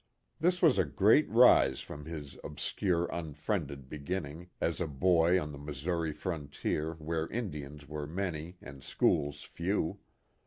This was a great rise from his obscure un friended beginning as a boy on the Missouri frontier where Indians were many and schools few.